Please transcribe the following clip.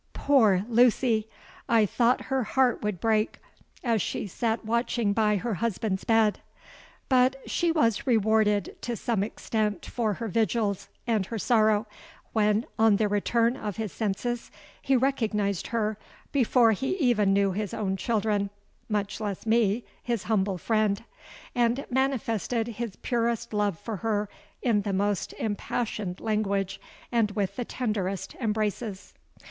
Poor Lucy! I thought her heart would break, as she sate watching by her husband's bed; but she was rewarded to some extent for her vigils and her sorrow, when, on the return of his senses, he recognised her before he even knew his own children, much less me—his humble friend,—and manifested his purest love for her in the most impassioned language and with the tenderest embraces.